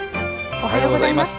おはようございます。